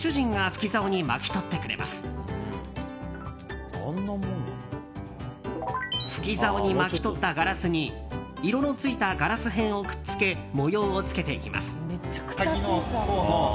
吹き竿に巻き取ったガラスに色のついたガラス片をくっつけ模様をつけていきます。